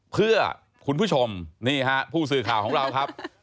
เพื่อคุณผู้ชมนี่ฮะผู้สื่อข่าวของเราครับ